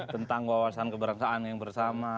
tentang wawasan kebangsaan yang bersama